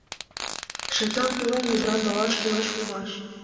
— Шайтан, пелен ведрам налаш кӱлеш улмаш.